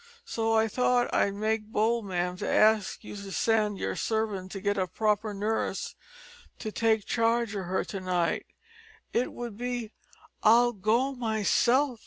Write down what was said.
So I thought I'd make bold, ma'am, to ask you to send yer servant to git a proper nurse to take charge of her to night, it would be " "I'll go myself!"